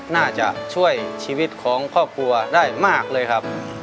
น่าจะช่วยชีวิตของครอบครัวได้มากเลยครับ